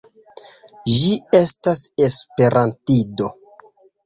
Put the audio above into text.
Ĝi estas esperantido.